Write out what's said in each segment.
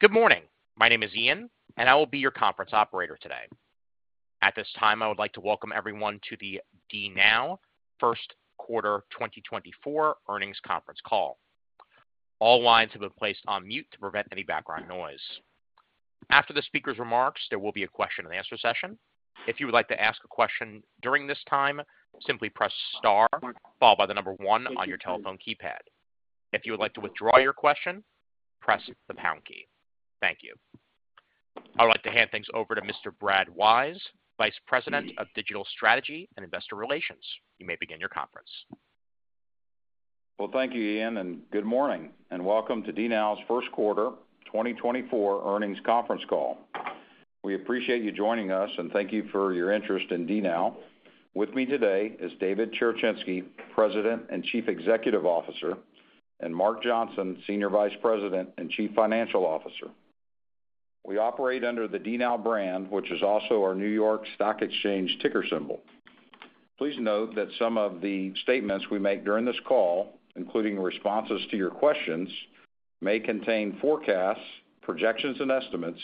Good morning. My name is Ian, and I will be your conference operator today. At this time, I would like to welcome everyone to the DNOW First Quarter 2024 Earnings Conference call. All lines have been placed on mute to prevent any background noise. After the speaker's remarks, there will be a question-and-answer session. If you would like to ask a question during this time, simply press star followed by the number 1 on your telephone keypad. If you would like to withdraw your question, press the pound key. Thank you. I would like to hand things over to Mr. Brad Wise, Vice President of Digital Strategy and Investor Relations. You may begin your conference. Well, thank you, Ian, and good morning. Welcome to DNOW's First Quarter 2024 Earnings Conference call. We appreciate you joining us, and thank you for your interest in DNOW. With me today is David Cherechinsky, President and Chief Executive Officer, and Mark Johnson, Senior Vice President and Chief Financial Officer. We operate under the DNOW brand, which is also our New York Stock Exchange ticker symbol. Please note that some of the statements we make during this call, including responses to your questions, may contain forecasts, projections, and estimates,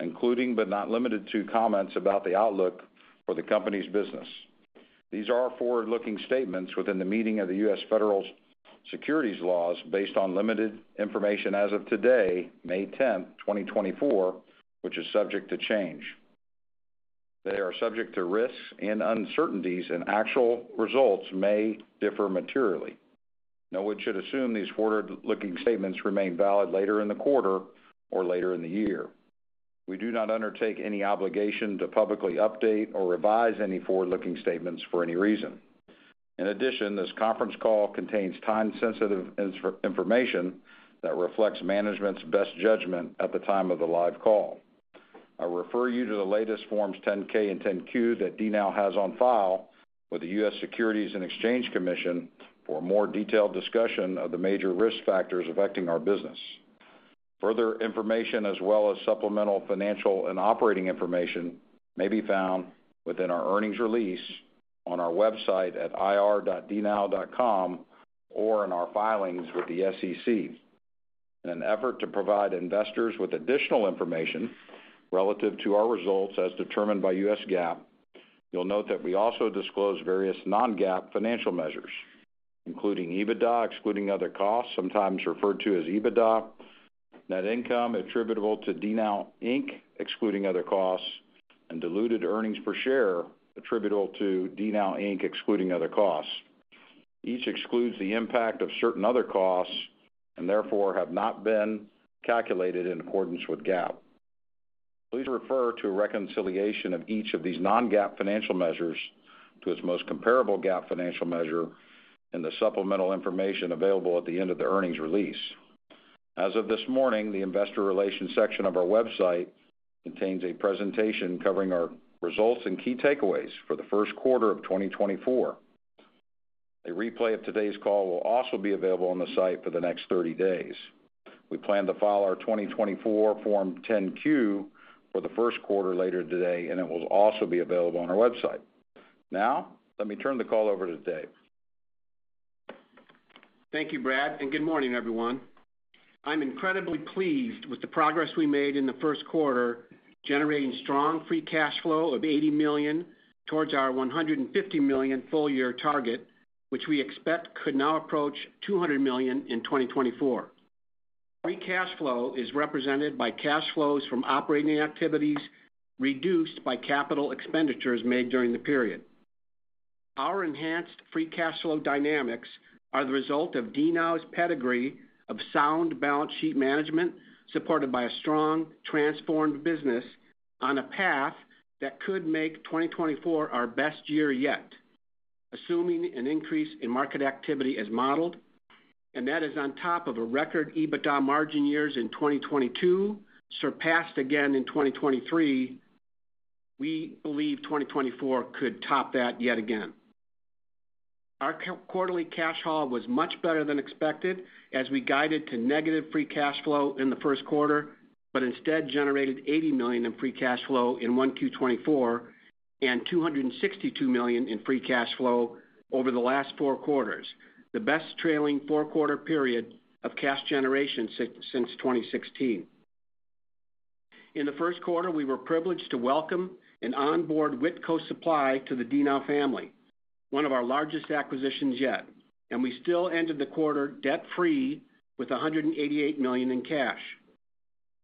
including but not limited to comments about the outlook for the company's business. These are forward-looking statements within the meaning of the U.S. federal securities laws based on limited information as of today, May 10, 2024, which is subject to change. They are subject to risks and uncertainties, and actual results may differ materially. No one should assume these forward-looking statements remain valid later in the quarter or later in the year. We do not undertake any obligation to publicly update or revise any forward-looking statements for any reason. In addition, this conference call contains time-sensitive information that reflects management's best judgment at the time of the live call. I refer you to the latest Forms 10-K and 10-Q that DNOW has on file with the U.S. Securities and Exchange Commission for a more detailed discussion of the major risk factors affecting our business. Further information, as well as supplemental financial and operating information, may be found within our earnings release on our website at ir.dnow.com or in our filings with the SEC. In an effort to provide investors with additional information relative to our results as determined by U.S. GAAP, you'll note that we also disclose various non-GAAP financial measures, including EBITDA excluding other costs, sometimes referred to as EBITDA, net income attributable to DNOW Inc. excluding other costs, and diluted earnings per share attributable to DNOW Inc. excluding other costs. Each excludes the impact of certain other costs and therefore have not been calculated in accordance with GAAP. Please refer to a reconciliation of each of these non-GAAP financial measures to its most comparable GAAP financial measure in the supplemental information available at the end of the earnings release. As of this morning, the Investor Relations section of our website contains a presentation covering our results and key takeaways for the first quarter of 2024. A replay of today's call will also be available on the site for the next 30 days. We plan to file our 2024 Form 10-Q for the first quarter later today, and it will also be available on our website. Now, let me turn the call over to Dave. Thank you, Brad, and good morning, everyone. I'm incredibly pleased with the progress we made in the first quarter, generating strong free cash flow of $80 million towards our $150 million full-year target, which we expect could now approach $200 million in 2024. Free cash flow is represented by cash flows from operating activities reduced by capital expenditures made during the period. Our enhanced free cash flow dynamics are the result of DNOW's pedigree of sound balance sheet management supported by a strong, transformed business on a path that could make 2024 our best year yet, assuming an increase in market activity as modeled. And that is on top of a record EBITDA margin years in 2022 surpassed again in 2023. We believe 2024 could top that yet again. Our quarterly cash haul was much better than expected as we guided to negative free cash flow in the first quarter, but instead generated $80 million in free cash flow in 1Q24 and $262 million in free cash flow over the last four quarters, the best trailing four-quarter period of cash generation since 2016. In the first quarter, we were privileged to welcome and onboard Whitco Supply to the DNOW family, one of our largest acquisitions yet. We still ended the quarter debt-free with $188 million in cash.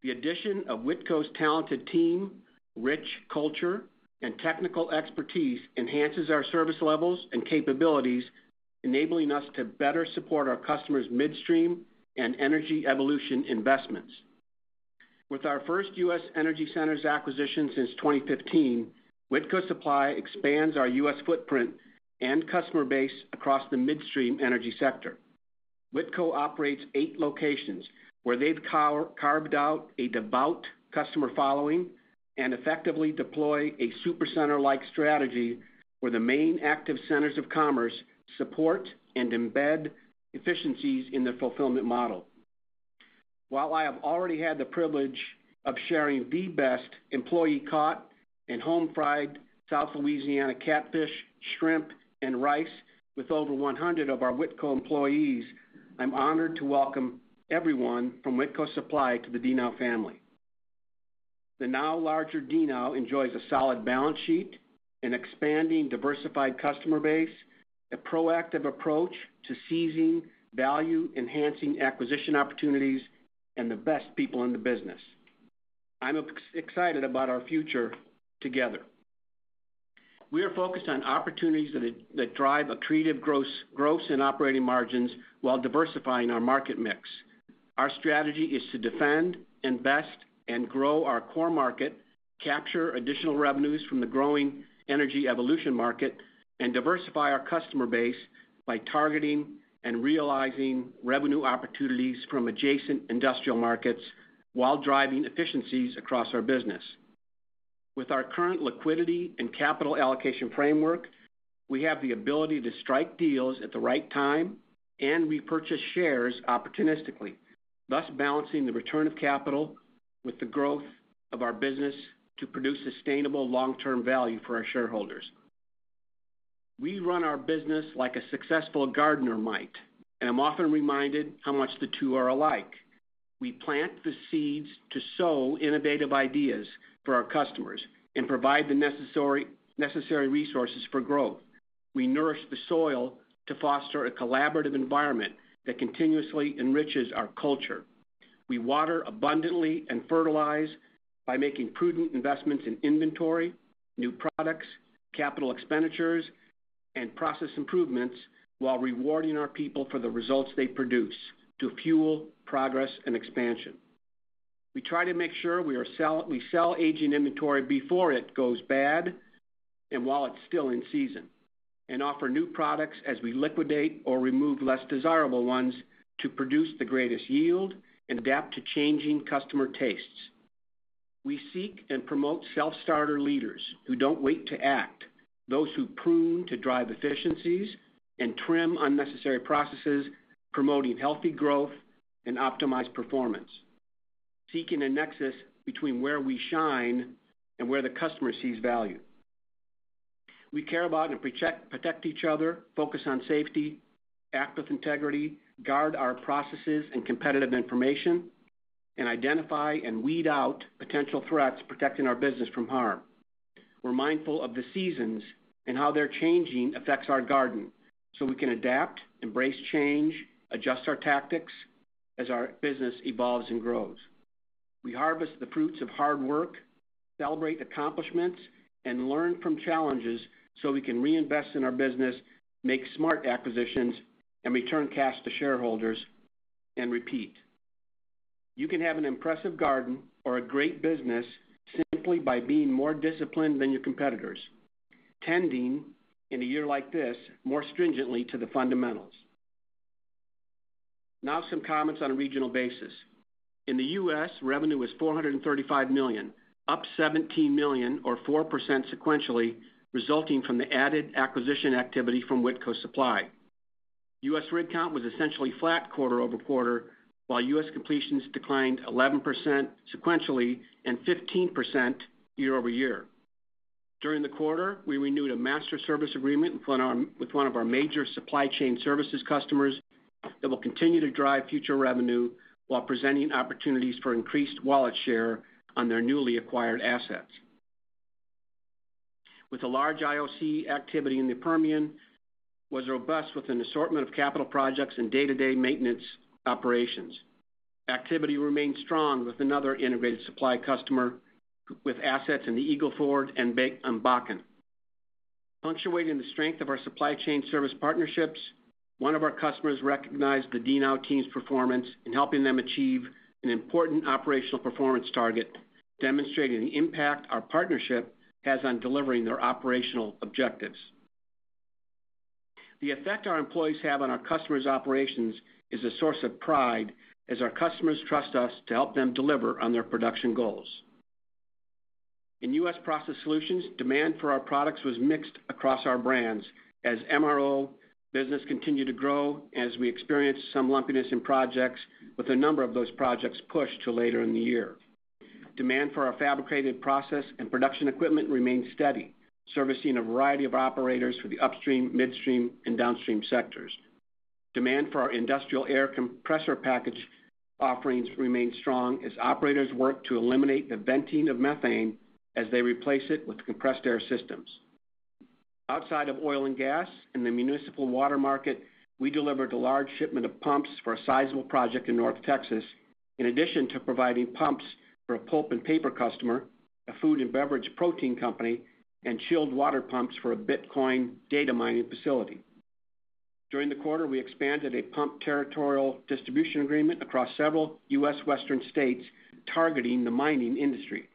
The addition of Whitco Supply's talented team, rich culture, and technical expertise enhances our service levels and capabilities, enabling us to better support our customers' midstream and energy evolution investments. With our first U.S. Energy Centers acquisition since 2015, Whitco Supply expands our U.S. Energy Centers and customer base across the midstream energy sector. Whitco operates eight locations where they've carved out a devout customer following and effectively deploy a supercenter-like strategy where the main active centers of commerce support and embed efficiencies in their fulfillment model. While I have already had the privilege of sharing the best employee caught and home-fried South Louisiana catfish, shrimp, and rice with over 100 of our Whitco Supply employees, I'm honored to welcome everyone from Whitco Supply to the DNOW family. The now larger DNOW enjoys a solid balance sheet, an expanding diversified customer base, a proactive approach to seizing value, enhancing acquisition opportunities, and the best people in the business. I'm excited about our future together. We are focused on opportunities that drive accretive growth and operating margins while diversifying our market mix. Our strategy is to defend, invest, and grow our core market, capture additional revenues from the growing energy evolution market, and diversify our customer base by targeting and realizing revenue opportunities from adjacent industrial markets while driving efficiencies across our business. With our current liquidity and capital allocation framework, we have the ability to strike deals at the right time and repurchase shares opportunistically, thus balancing the return of capital with the growth of our business to produce sustainable long-term value for our shareholders. We run our business like a successful gardener might, and I'm often reminded how much the two are alike. We plant the seeds to sow innovative ideas for our customers and provide the necessary resources for growth. We nourish the soil to foster a collaborative environment that continuously enriches our culture. We water abundantly and fertilize by making prudent investments in inventory, new products, capital expenditures, and process improvements while rewarding our people for the results they produce to fuel progress and expansion. We try to make sure we sell aging inventory before it goes bad and while it's still in season, and offer new products as we liquidate or remove less desirable ones to produce the greatest yield and adapt to changing customer tastes. We seek and promote self-starter leaders who don't wait to act, those who prune to drive efficiencies and trim unnecessary processes, promoting healthy growth and optimized performance, seeking a nexus between where we shine and where the customer sees value. We care about and protect each other, focus on safety, act with integrity, guard our processes and competitive information, and identify and weed out potential threats protecting our business from harm. We're mindful of the seasons and how they're changing affects our garden so we can adapt, embrace change, adjust our tactics as our business evolves and grows. We harvest the fruits of hard work, celebrate accomplishments, and learn from challenges so we can reinvest in our business, make smart acquisitions, and return cash to shareholders, and repeat. You can have an impressive garden or a great business simply by being more disciplined than your competitors, tending in a year like this more stringently to the fundamentals. Now some comments on a regional basis. In the U.S., revenue was $435 million, up $17 million or 4% sequentially, resulting from the added acquisition activity from Whitco Supply., U.S. rig count was essentially flat quarter-over-quarter, while U.S. completions declined 11% sequentially and 15% year-over-year. During the quarter, we renewed a master service agreement with one of our major supply chain services customers that will continue to drive future revenue while presenting opportunities for increased wallet share on their newly acquired assets. With a large IOC activity in the Permian, was robust with an assortment of capital projects and day-to-day maintenance operations. Activity remained strong with another integrated supply customer with assets in the Eagle Ford and Bakken. Punctuating the strength of our supply chain service partnerships, one of our customers recognized the DNOW team's performance in helping them achieve an important operational performance target, demonstrating the impact our partnership has on delivering their operational objectives. The effect our employees have on our customers' operations is a source of pride as our customers trust us to help them deliver on their production goals. In U.S. Process Solutions Demand for our products was mixed across our brands as MRO business continued to grow and as we experienced some lumpiness in projects, with a number of those projects pushed to later in the year. Demand for our fabricated process and production equipment remained steady, servicing a variety of operators for the upstream, midstream, and downstream sectors. Demand for our industrial air compressor package offerings remained strong as operators worked to eliminate the venting of methane as they replaced it with compressed air systems. Outside of oil and gas and the municipal water market, we delivered a large shipment of pumps for a sizable project in North Texas, in addition to providing pumps for a pulp and paper customer, a food and beverage protein company, and chilled water pumps for a Bitcoin data mining facility. During the quarter, we expanded a pump territorial distribution agreement across several U.S. Western states targeting the mining industry.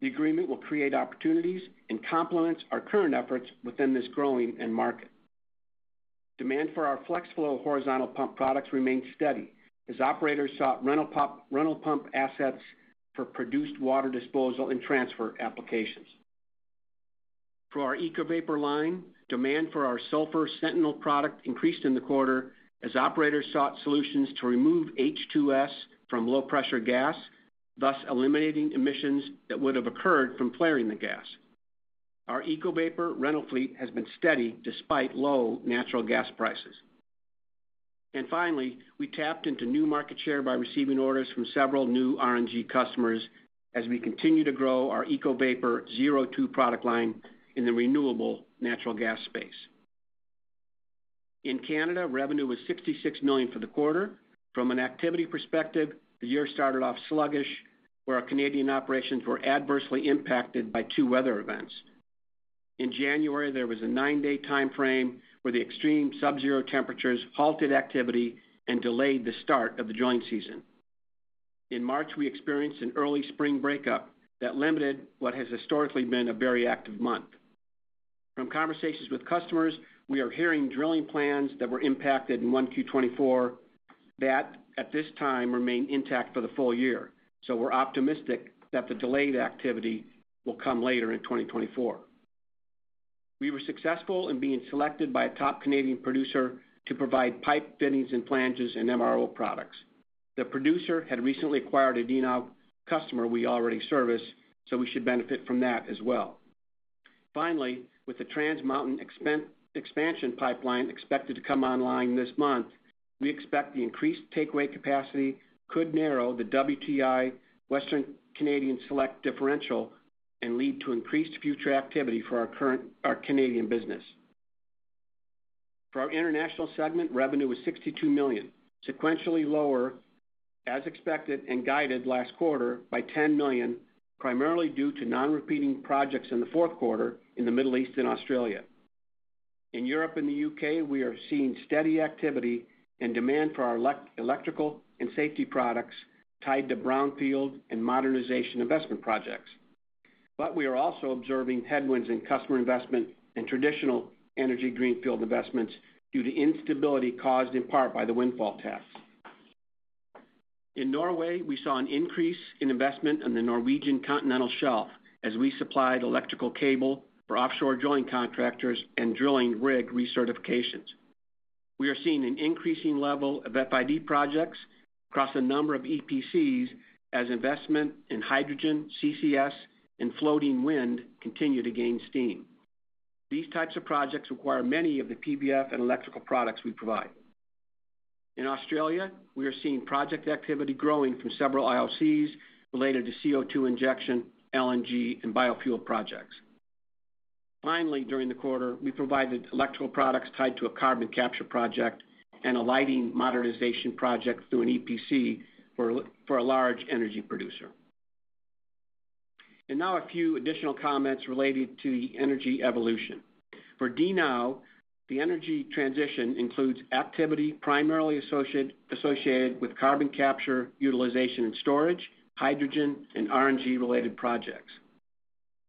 The agreement will create opportunities and complement our current efforts within this growing in market. Demand for our FlexFlow H-pump horizontal pump products remained steady as operators sought rental pump assets for produced water disposal and transfer applications. For our EcoVapor line, demand for our Sulfur Sentinel product increased in the quarter as operators sought solutions to remove H2S from low-pressure gas, thus eliminating emissions that would have occurred from flaring the gas. Our EcoVapor rental fleet has been steady despite low natural gas prices. And finally, we tapped into new market share by receiving orders from several new RNG customers as we continue to grow our EcoVapor ZerO2 product line in the renewable natural gas space. In Canada, revenue was $66 million for the quarter. From an activity perspective, the year started off sluggish where our Canadian operations were adversely impacted by two weather events. In January, there was a nine-day time frame where the extreme subzero temperatures halted activity and delayed the start of the winter season. In March, we experienced an early spring breakup that limited what has historically been a very active month. From conversations with customers, we are hearing drilling plans that were impacted in 1Q24 that, at this time, remain intact for the full year. So we're optimistic that the delayed activity will come later in 2024. We were successful in being selected by a top Canadian producer to provide pipe fittings and flanges and MRO products. The producer had recently acquired a DNOW customer we already service, so we should benefit from that as well. Finally, with the Trans Mountain Expansion Pipeline expected to come online this month, we expect the increased takeaway capacity could narrow the WTI Western Canadian Select differential and lead to increased future activity for our Canadian business. For our international segment, revenue was $62 million, sequentially lower as expected and guided last quarter by $10 million, primarily due to non-repeating projects in the fourth quarter in the Middle East and Australia. In Europe and the U.K., we are seeing steady activity and demand for our electrical and safety products tied to brownfield and modernization investment projects. But we are also observing headwinds in customer investment and traditional energy greenfield investments due to instability caused in part by the windfall tax. In Norway, we saw an increase in investment in the Norwegian Continental Shelf as we supplied electrical cable for offshore joint contractors and drilling rig recertifications. We are seeing an increasing level of FID projects across a number of EPCs as investment in hydrogen, CCS, and floating wind continue to gain steam. These types of projects require many of the PVF and electrical products we provide. In Australia, we are seeing project activity growing from several IOCs related to CO2 injection, LNG, and biofuel projects. Finally, during the quarter, we provided electrical products tied to a carbon capture project and a lighting modernization project through an EPC for a large energy producer. And now a few additional comments related to the energy evolution. For DNOW, the energy transition includes activity primarily associated with carbon capture, utilization, and storage, hydrogen, and RNG related projects.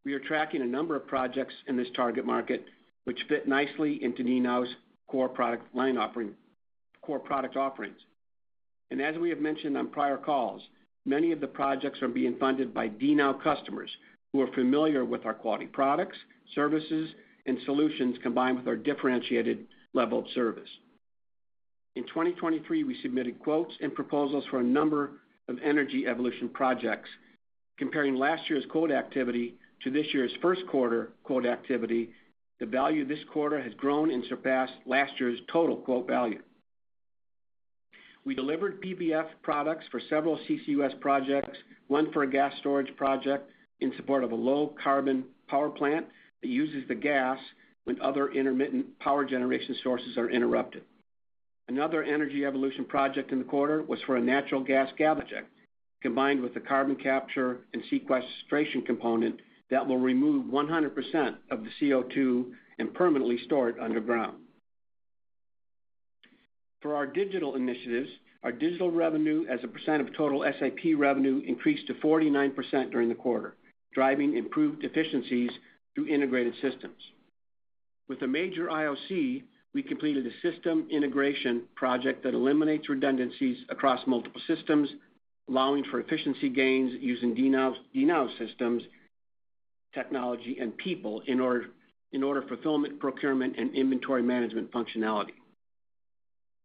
We are tracking a number of projects in this target market which fit nicely into DNOW's core product line offerings. As we have mentioned on prior calls, many of the projects are being funded by DNOW customers who are familiar with our quality products, services, and solutions combined with our differentiated level of service. In 2023, we submitted quotes and proposals for a number of energy evolution projects. Comparing last year's quote activity to this year's first quarter quote activity, the value this quarter has grown and surpassed last year's total quote value. We delivered PVF products for several CCUS projects, one for a gas storage project in support of a low carbon power plant that uses the gas when other intermittent power generation sources are interrupted. Another energy evolution project in the quarter was for a natural gas gathering project combined with a carbon capture and sequestration component that will remove 100% of the CO2 and permanently store it underground. For our digital initiatives, our digital revenue as a percent of total SAP revenue increased to 49% during the quarter, driving improved efficiencies through integrated systems. With a major IOC, we completed a system integration project that eliminates redundancies across multiple systems, allowing for efficiency gains using DNOW's systems, technology, and people in order of fulfillment, procurement, and inventory management functionality.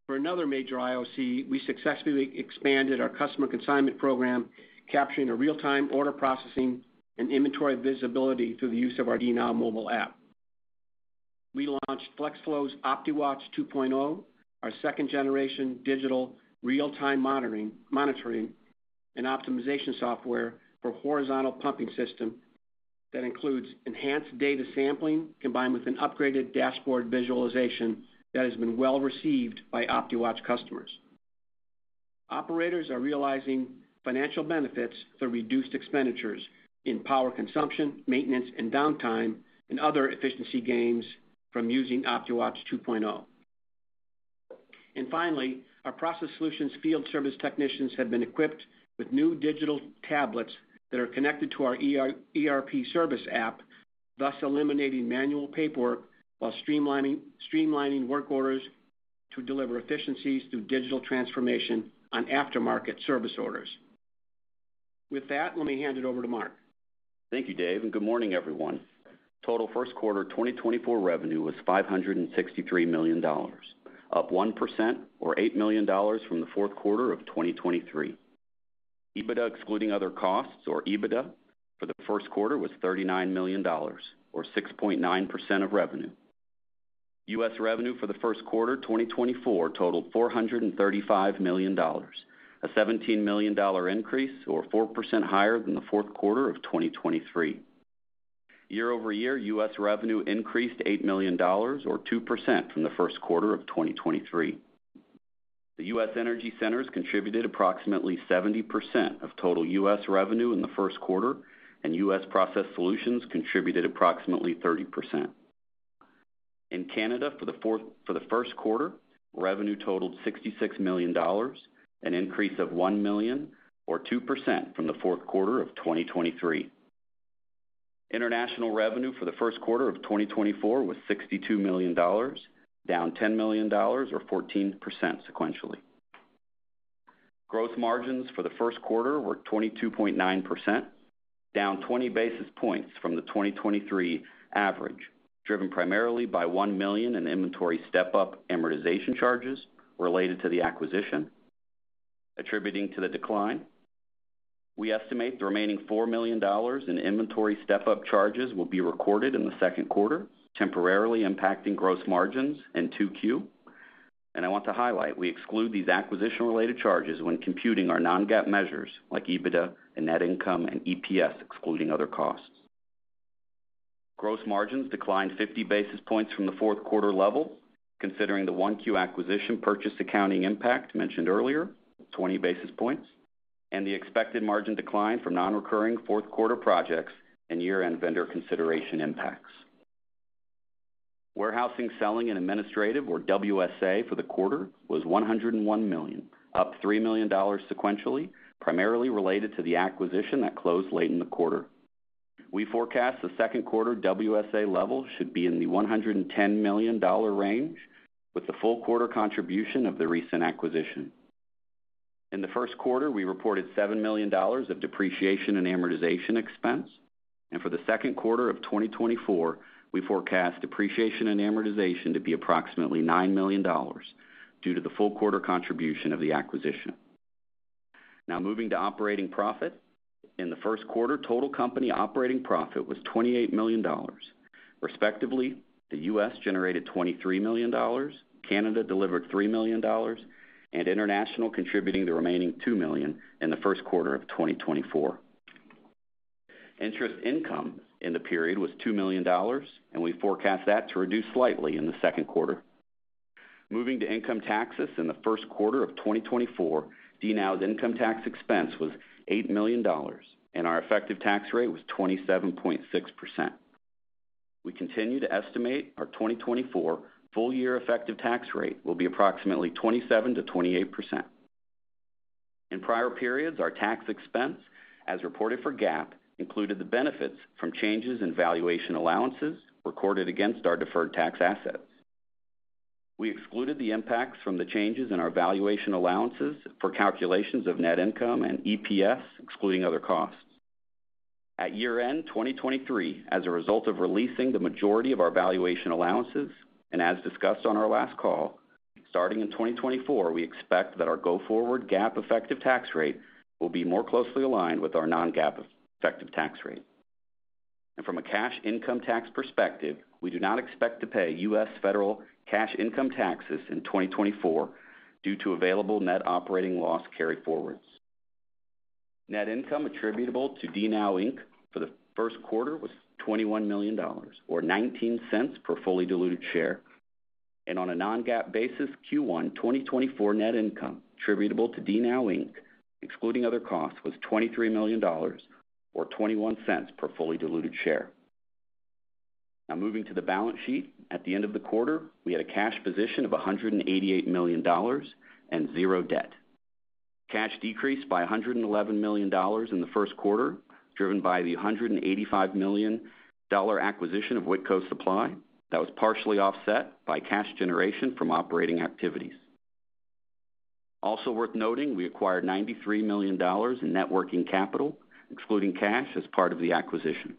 For another major IOC, we successfully expanded our customer consignment program, capturing a real-time order processing and inventory visibility through the use of our DNOW mobile app. We launched FlexFlow's OptiWatch 2.0, our second generation digital real-time monitoring and optimization software for horizontal pumping systems that includes enhanced data sampling combined with an upgraded dashboard visualization that has been well received by OptiWatch customers. Operators are realizing financial benefits for reduced expenditures in power consumption, maintenance, and downtime, and other efficiency gains from using OptiWatch 2.0. And finally, our process solutions field service technicians have been equipped with new digital tablets that are connected to our ERP service app, thus eliminating manual paperwork while streamlining work orders to deliver efficiencies through digital transformation on aftermarket service orders. With that, let me hand it over to Mark. Thank you, Dave. Good morning, everyone. Total first quarter 2024 revenue was $563 million, up 1% or $8 million from the fourth quarter of 2023. EBITDA excluding other costs, or EBITDA, for the first quarter was $39 million, or 6.9% of revenue. U.S. revenue for the first quarter 2024 totaled $435 million, a $17 million increase or 4% higher than the fourth quarter of 2023. Year-over-year, U.S. revenue increased $8 million, or 2%, from the first quarter of 2023. The U.S. energy centers contributed approximately 70% of total U.S. revenue in the first quarter, and U.S. process solutions contributed approximately 30%. In Canada for the first quarter, revenue totaled $66 million, an increase of $1 million, or 2% from the fourth quarter of 2023. International revenue for the first quarter of 2024 was $62 million, down $10 million, or 14% sequentially. Gross margins for the first quarter were 22.9%, down 20 basis points from the 2023 average, driven primarily by $1 million in inventory step-up amortization charges related to the acquisition, attributing to the decline. We estimate the remaining $4 million in inventory step-up charges will be recorded in the second quarter, temporarily impacting gross margins in 2Q. And I want to highlight, we exclude these acquisition-related charges when computing our non-GAAP measures like EBITDA and net income and EPS excluding other costs. Gross margins declined 50 basis points from the fourth quarter level, considering the 1Q acquisition purchase accounting impact mentioned earlier, 20 basis points, and the expected margin decline from non-recurring fourth quarter projects and year-end vendor consideration impacts. Warehousing, selling and administrative, or WSA, for the quarter was $101 million, up $3 million sequentially, primarily related to the acquisition that closed late in the quarter. We forecast the second quarter WSA level should be in the $110 million range, with the full quarter contribution of the recent acquisition. In the first quarter, we reported $7 million of depreciation and amortization expense. For the second quarter of 2024, we forecast depreciation and amortization to be approximately $9 million due to the full quarter contribution of the acquisition. Now moving to operating profit. In the first quarter, total company operating profit was $28 million. Respectively, the U.S. generated $23 million, Canada delivered $3 million, and international contributing the remaining $2 million in the first quarter of 2024. Interest income in the period was $2 million, and we forecast that to reduce slightly in the second quarter. Moving to income taxes, in the first quarter of 2024, DNOW's income tax expense was $8 million, and our effective tax rate was 27.6%. We continue to estimate our 2024 full-year effective tax rate will be approximately 27%-28%. In prior periods, our tax expense, as reported for GAAP, included the benefits from changes in valuation allowances recorded against our deferred tax assets. We excluded the impacts from the changes in our valuation allowances for calculations of net income and EPS excluding other costs. At year-end 2023, as a result of releasing the majority of our valuation allowances and as discussed on our last call, starting in 2024, we expect that our go-forward GAAP effective tax rate will be more closely aligned with our non-GAAP effective tax rate. And from a cash income tax perspective, we do not expect to pay U.S. Federal cash income taxes in 2024 due to available net operating loss carry-forwards. Net income attributable to DNOW, Inc. for the first quarter was $21 million, or $0.19 per fully diluted share. On a non-GAAP basis, Q1 2024 net income attributable to DNOW, Inc., excluding other costs, was $23 million, or $0.21 per fully diluted share. Now moving to the balance sheet. At the end of the quarter, we had a cash position of $188 million and zero debt. Cash decreased by $111 million in the first quarter, driven by the $185 million acquisition of Whitco Supply that was partially offset by cash generation from operating activities. Also worth noting, we acquired $93 million in net working capital, excluding cash, as part of the acquisition.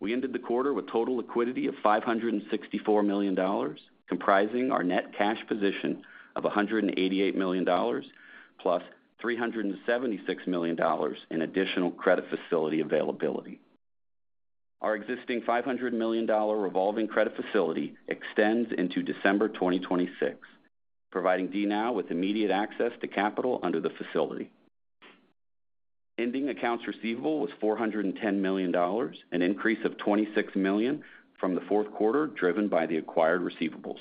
We ended the quarter with total liquidity of $564 million, comprising our net cash position of $188 million plus $376 million in additional credit facility availability. Our existing $500 million revolving credit facility extends into December 2026, providing DNOW with immediate access to capital under the facility. Ending accounts receivable was $410 million, an increase of $26 million from the fourth quarter driven by the acquired receivables.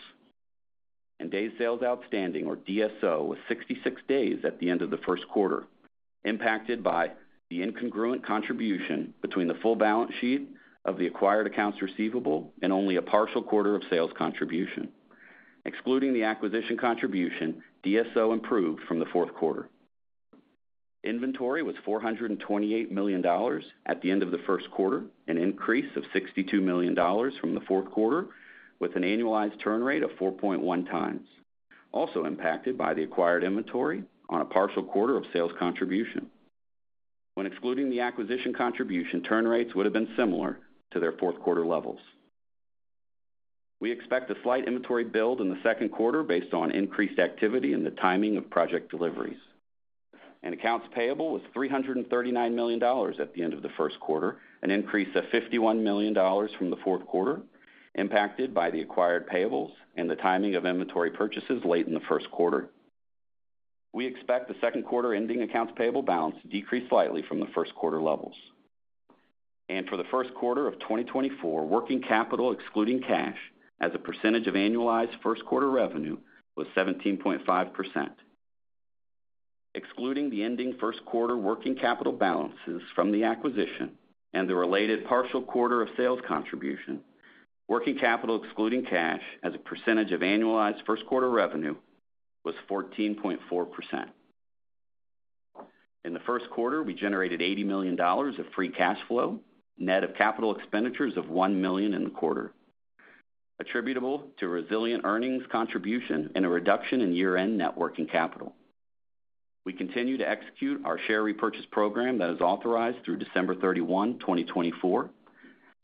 Days sales outstanding, or DSO, was 66 days at the end of the first quarter, impacted by the incongruent contribution between the full balance sheet of the acquired accounts receivable and only a partial quarter of sales contribution. Excluding the acquisition contribution, DSO improved from the fourth quarter. Inventory was $428 million at the end of the first quarter, an increase of $62 million from the fourth quarter, with an annualized turn rate of 4.1 times, also impacted by the acquired inventory on a partial quarter of sales contribution. When excluding the acquisition contribution, turn rates would have been similar to their fourth quarter levels. We expect a slight inventory build in the second quarter based on increased activity and the timing of project deliveries. Accounts payable was $339 million at the end of the first quarter, an increase of $51 million from the fourth quarter, impacted by the acquired payables and the timing of inventory purchases late in the first quarter. We expect the second quarter ending accounts payable balance to decrease slightly from the first quarter levels. For the first quarter of 2024, working capital excluding cash as a percentage of annualized first quarter revenue was 17.5%. Excluding the ending first quarter working capital balances from the acquisition and the related partial quarter of sales contribution, working capital excluding cash as a percentage of annualized first quarter revenue was 14.4%. In the first quarter, we generated $80 million of free cash flow, net of capital expenditures of $1 million in the quarter, attributable to resilient earnings contribution and a reduction in year-end working capital. We continue to execute our share repurchase program that is authorized through December 31, 2024.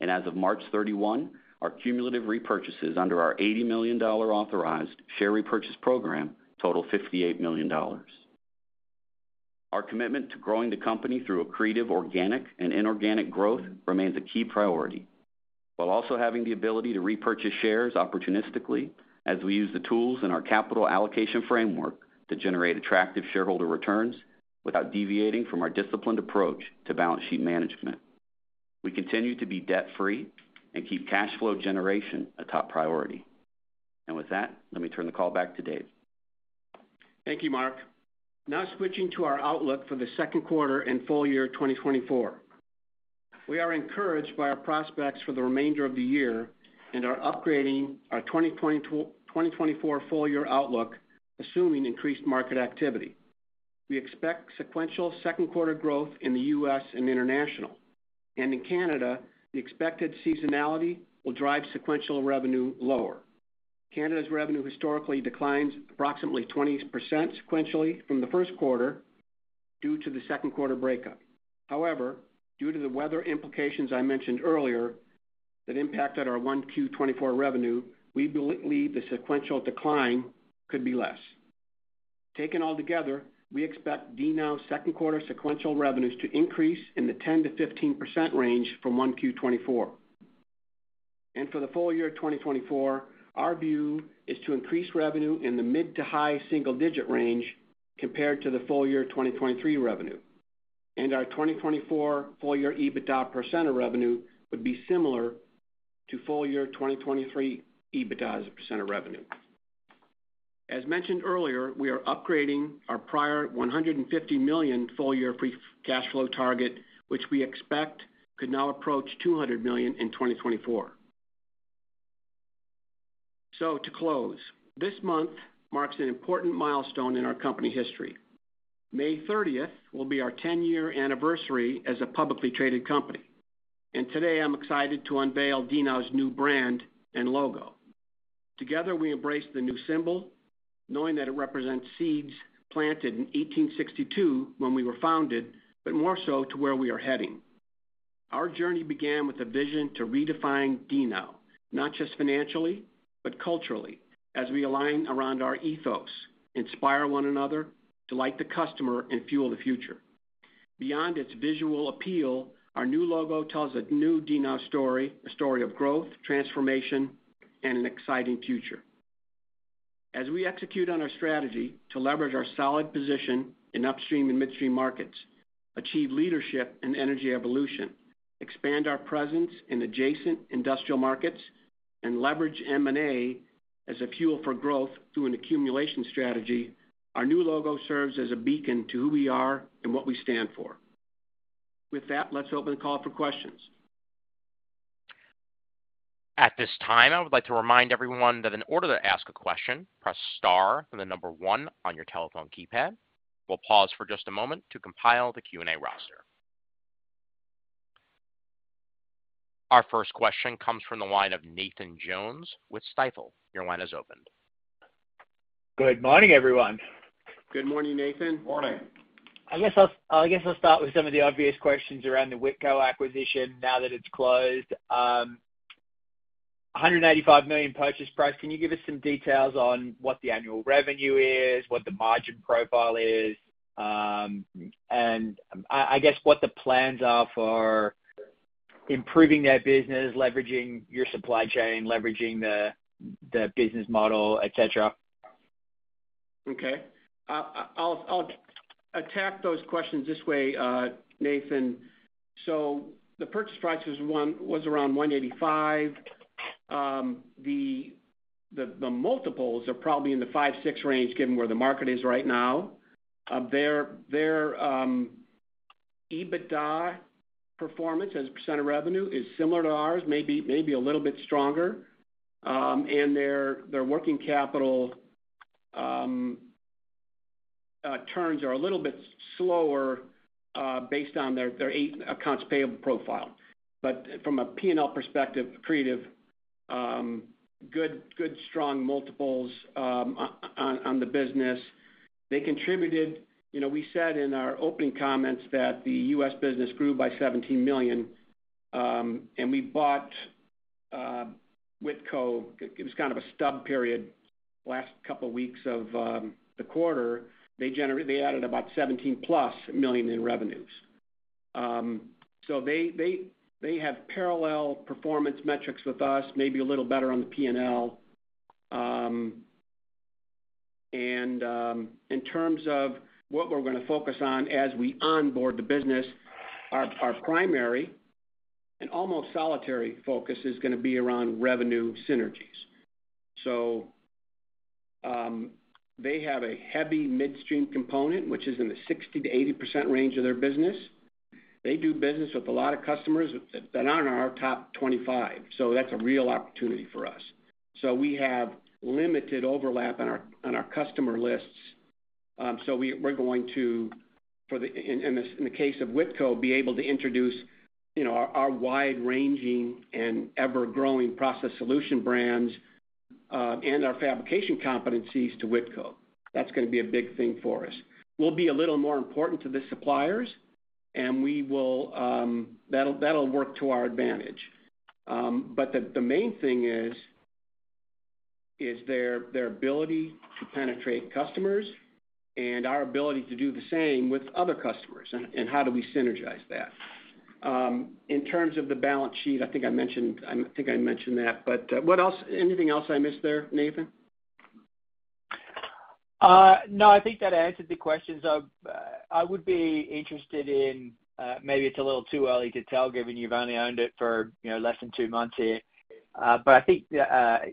As of March 31, our cumulative repurchases under our $80 million authorized share repurchase program total $58 million. Our commitment to growing the company through a creative, organic, and inorganic growth remains a key priority, while also having the ability to repurchase shares opportunistically as we use the tools in our capital allocation framework to generate attractive shareholder returns without deviating from our disciplined approach to balance sheet management. We continue to be debt-free and keep cash flow generation a top priority. With that, let me turn the call back to Dave. Thank you, Mark. Now switching to our outlook for the second quarter and full year 2024. We are encouraged by our prospects for the remainder of the year and are upgrading our 2024 full year outlook, assuming increased market activity. We expect sequential second quarter growth in the U.S. and international. In Canada, the expected seasonality will drive sequential revenue lower. Canada's revenue historically declines approximately 20% sequentially from the first quarter due to the second quarter breakup. However, due to the weather implications I mentioned earlier that impacted our 1Q24 revenue, we believe the sequential decline could be less. Taken all together, we expect DNOW's second quarter sequential revenues to increase in the 10%-15% range from 1Q24. For the full year 2024, our view is to increase revenue in the mid- to high-single-digit range compared to the full year 2023 revenue. Our 2024 full year EBITDA % of revenue would be similar to full year 2023 EBITDA as a % of revenue. As mentioned earlier, we are upgrading our prior $150 million full year free cash flow target, which we expect could now approach $200 million in 2024. To close, this month marks an important milestone in our company history. May 30th will be our 10-year anniversary as a publicly traded company. Today, I'm excited to unveil DNOW's new brand and logo. Together, we embrace the new symbol, knowing that it represents seeds planted in 1862 when we were founded, but more so to where we are heading. Our journey began with a vision to redefine DNOW, not just financially, but culturally, as we align around our ethos, inspire one another, delight the customer, and fuel the future. Beyond its visual appeal, our new logo tells a new DNOW story, a story of growth, transformation, and an exciting future. As we execute on our strategy to leverage our solid position in upstream and midstream markets, achieve leadership and energy evolution, expand our presence in adjacent industrial markets, and leverage M&A as a fuel for growth through an accumulation strategy, our new logo serves as a beacon to who we are and what we stand for. With that, let's open the call for questions. At this time, I would like to remind everyone that in order to ask a question, press star for the number one on your telephone keypad. We'll pause for just a moment to compile the Q&A roster. Our first question comes from the line of Nathan Jones with Stifel. Your line is opened. Good morning, everyone. Good morning, Nathan. Morning. I guess I'll start with some of the obvious questions around the Whitco acquisition now that it's closed. $185 million purchase price, can you give us some details on what the annual revenue is, what the margin profile is, and I guess what the plans are for improving their business, leveraging your supply chain, leveraging the business model, etc.? Okay. I'll attack those questions this way, Nathan. So the purchase price was around $185. The multiples are probably in the 5-6 range, given where the market is right now. Their EBITDA performance as a percent of revenue is similar to ours, maybe a little bit stronger. And their working capital turns are a little bit slower based on their accounts payable profile. But from a P&L perspective, creative, good, strong multiples on the business. They contributed we said in our opening comments that the U.S. business grew by $17 million. And we bought Whitco it was kind of a stub period last couple of weeks of the quarter. They added about $17+ million in revenues. So they have parallel performance metrics with us, maybe a little better on the P&L. In terms of what we're going to focus on as we onboard the business, our primary and almost solitary focus is going to be around revenue synergies. They have a heavy midstream component, which is in the 60%-80% range of their business. They do business with a lot of customers that are in our top 25. That's a real opportunity for us. We have limited overlap on our customer lists. We're going to, in the case of Whitco, be able to introduce our wide-ranging and ever-growing process solution brands and our fabrication competencies to Whitco. That's going to be a big thing for us. We'll be a little more important to the suppliers, and that'll work to our advantage. But the main thing is their ability to penetrate customers and our ability to do the same with other customers. How do we synergize that? In terms of the balance sheet, I think I mentioned that. Anything else I missed there, Nathan? No, I think that answered the questions. I would be interested in maybe it's a little too early to tell, given you've only owned it for less than two months here. But I think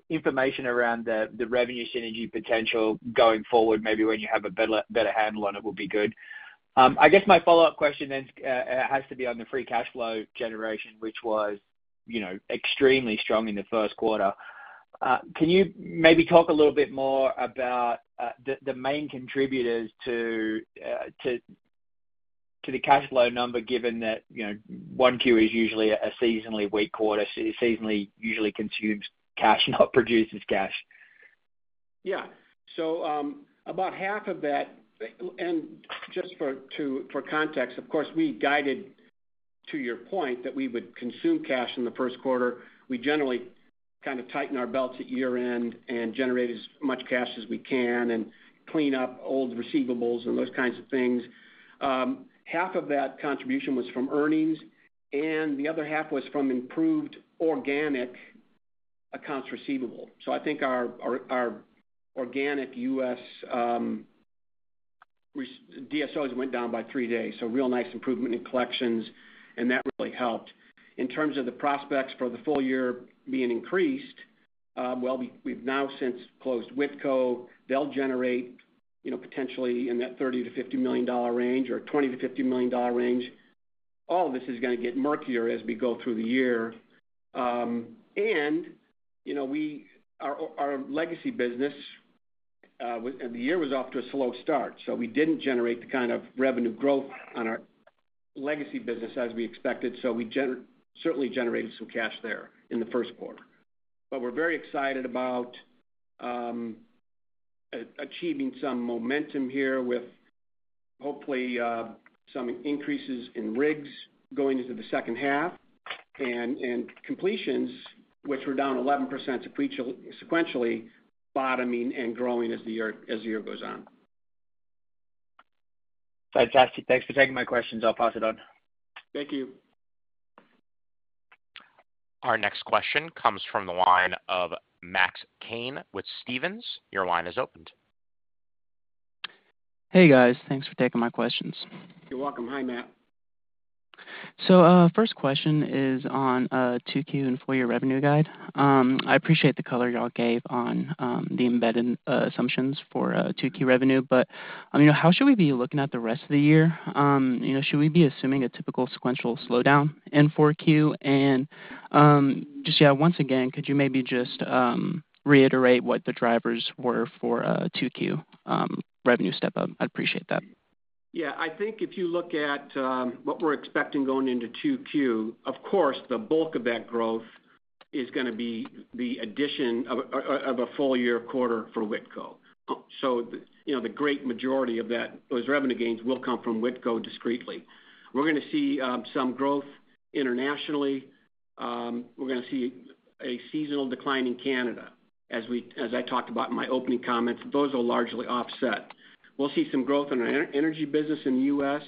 information around the revenue synergy potential going forward, maybe when you have a better handle on it, would be good. I guess my follow-up question then has to be on the free cash flow generation, which was extremely strong in the first quarter. Can you maybe talk a little bit more about the main contributors to the cash flow number, given that 1Q is usually a seasonally weak quarter, seasonally usually consumes cash, not produces cash? Yeah. So about half of that and just for context, of course, we guided to your point that we would consume cash in the first quarter. We generally kind of tighten our belts at year-end and generate as much cash as we can and clean up old receivables and those kinds of things. Half of that contribution was from earnings, and the other half was from improved organic accounts receivable. So I think our organic U.S. DSOs went down by 3 days, so real nice improvement in collections. And that really helped. In terms of the prospects for the full year being increased, well, we've now since closed Whitco. They'll generate potentially in that $30-$50 million range or $20-$50 million range. All of this is going to get murkier as we go through the year. Our legacy business, the year was off to a slow start, so we didn't generate the kind of revenue growth on our legacy business as we expected. We certainly generated some cash there in the first quarter. We're very excited about achieving some momentum here with hopefully some increases in rigs going into the second half and completions, which were down 11% sequentially, bottoming and growing as the year goes on. Fantastic. Thanks for taking my questions. I'll pass it on. Thank you. Our next question comes from the line of Max Kane with Stephens. Your line is open. Hey, guys. Thanks for taking my questions. You're welcome. Hi, Max. First question is on a 2Q and full year revenue guide. I appreciate the color y'all gave on the embedded assumptions for 2Q revenue. But how should we be looking at the rest of the year? Should we be assuming a typical sequential slowdown in 4Q? And just, yeah, once again, could you maybe just reiterate what the drivers were for a 2Q revenue step up? I'd appreciate that. Yeah. I think if you look at what we're expecting going into 2Q, of course, the bulk of that growth is going to be the addition of a full year quarter for Whitco. So the great majority of those revenue gains will come from Whitco discreetly. We're going to see some growth internationally. We're going to see a seasonal decline in Canada. As I talked about in my opening comments, those will largely offset. We'll see some growth in our energy business in the U.S.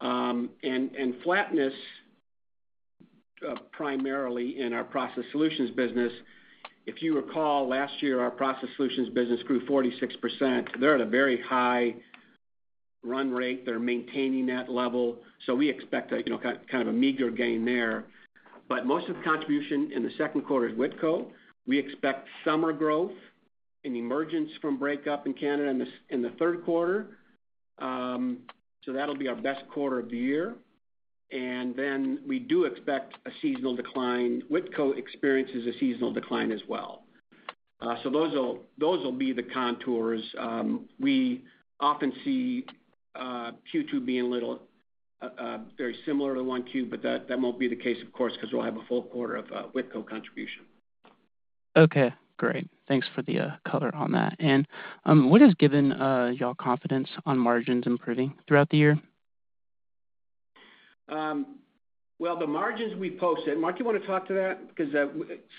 and flatness primarily in our process solutions business. If you recall, last year, our process solutions business grew 46%. They're at a very high run rate. They're maintaining that level. So we expect kind of a meager gain there. But most of the contribution in the second quarter is Whitco. We expect summer growth and emergence from breakup in Canada in the third quarter. That'll be our best quarter of the year. Then we do expect a seasonal decline. Whitco experiences a seasonal decline as well. Those will be the contours. We often see Q2 being a little very similar to 1Q, but that won't be the case, of course, because we'll have a full quarter of Whitco contribution. Okay. Great. Thanks for the color on that. What has given y'all confidence on margins improving throughout the year? Well, the margins we posted, Mark, do you want to talk to that? Because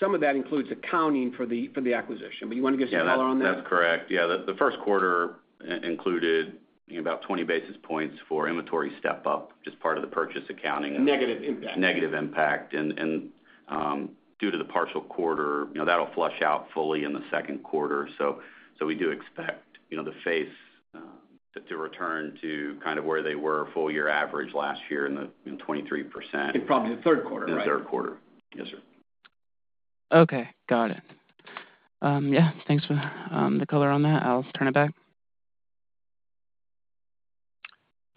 some of that includes accounting for the acquisition. But you want to give some color on that? That's correct. Yeah. The first quarter included about 20 basis points for inventory step up, just part of the purchase accounting. Negative impact. Negative impact. Due to the partial quarter, that'll flush out fully in the second quarter. We do expect the DSO to return to kind of where they were, full year average last year in the 23%. In probably the third quarter, right? In the third quarter. Yes, sir. Okay. Got it. Yeah. Thanks for the color on that. I'll turn it back.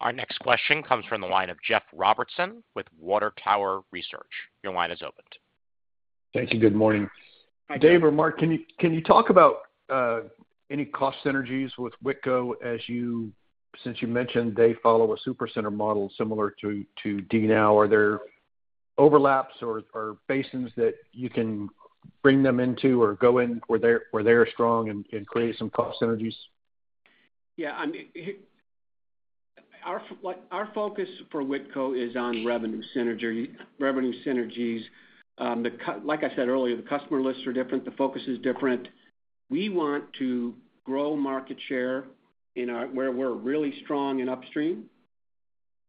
Our next question comes from the line of Jeff Robertson with Water Tower Research. Your line is open. Thank you. Good morning. Dave or Mark, can you talk about any cost synergies with Whitco since you mentioned they follow a supercenter model similar to DNOW? Are there overlaps or basins that you can bring them into or go in where they're strong and create some cost synergies? Yeah. Our focus for Whitco is on revenue synergies. Like I said earlier, the customer lists are different. The focus is different. We want to grow market share where we're really strong in upstream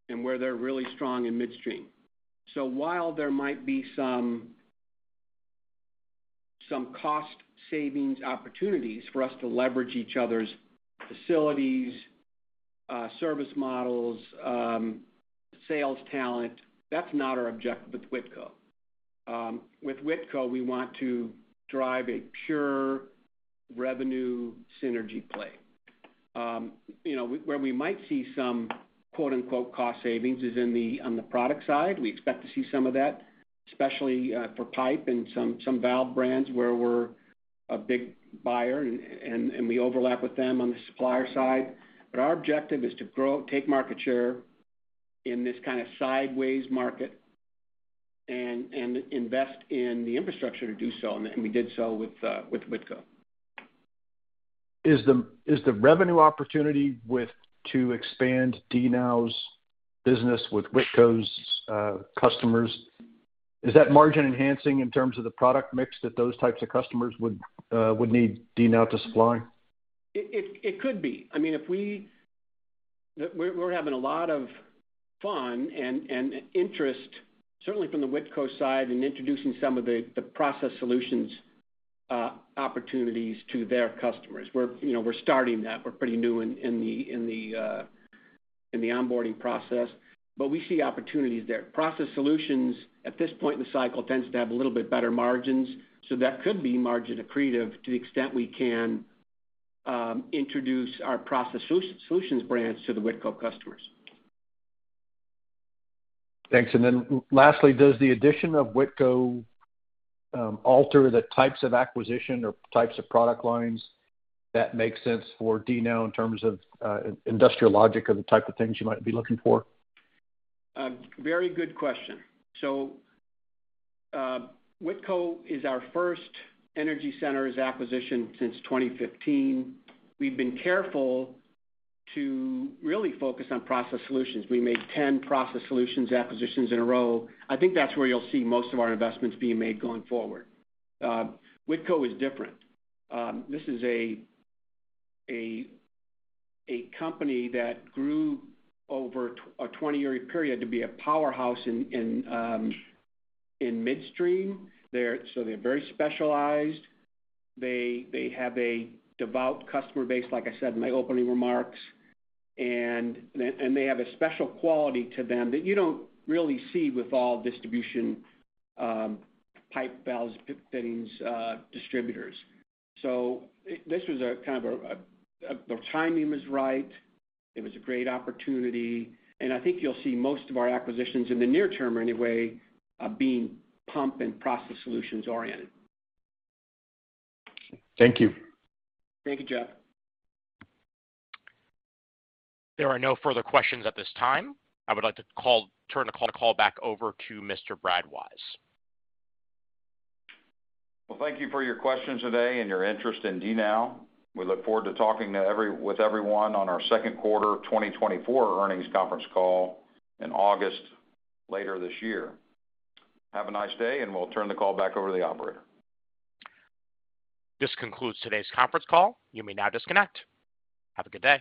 and where they're really strong in midstream. So while there might be some cost savings opportunities for us to leverage each other's facilities, service models, sales talent, that's not our objective with Whitco. With Whitco, we want to drive a pure revenue synergy play. Where we might see some "cost savings" is on the product side. We expect to see some of that, especially for pipe and some valve brands where we're a big buyer and we overlap with them on the supplier side. But our objective is to take market share in this kind of sideways market and invest in the infrastructure to do so. And we did so with Whitco. Is the revenue opportunity with to expand DNOW's business with Whitco's customers is that margin enhancing in terms of the product mix that those types of customers would need DNOW to supply? It could be. I mean, we're having a lot of fun and interest, certainly from the Whitco side, in introducing some of the process solutions opportunities to their customers. We're starting that. We're pretty new in the onboarding process. But we see opportunities there. Process solutions, at this point in the cycle, tends to have a little bit better margins. So that could be margin accretive to the extent we can introduce our process solutions brands to the Whitco customers. Thanks. And then lastly, does the addition of Whitco alter the types of acquisition or types of product lines that make sense for DNOW in terms of industrial logic of the type of things you might be looking for? Very good question. So Whitco is our first energy sector's acquisition since 2015. We've been careful to really focus on process solutions. We made 10 process solutions acquisitions in a row. I think that's where you'll see most of our investments being made going forward. Whitco is different. This is a company that grew over a 20-year period to be a powerhouse in midstream. So they're very specialized. They have a devout customer base, like I said in my opening remarks. And they have a special quality to them that you don't really see with all distribution pipe valves fittings distributors. So this was kind of the timing was right. It was a great opportunity. And I think you'll see most of our acquisitions in the near term, anyway, being pump and process solutions oriented. Thank you. Thank you, Jeff. There are no further questions at this time. I would like to turn the call back over to Mr. Brad Wise. Well, thank you for your questions today and your interest in DNOW. We look forward to talking with everyone on our second quarter 2024 earnings conference call in August later this year. Have a nice day, and we'll turn the call back over to the operator. This concludes today's conference call. You may now disconnect. Have a good day.